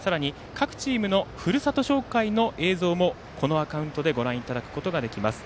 、各チームのふるさと紹介の映像もこのアカウントでご覧いただくこともできます。